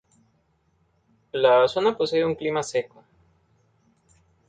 La zona posee un clima seco.